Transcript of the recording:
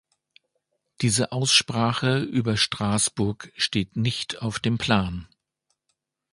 Diese Aussprache über Straßburg steht nicht auf dem Plan.